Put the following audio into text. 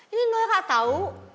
ini nolak tau